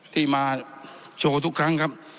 ที่มาโชว์ทุกครั้งครับ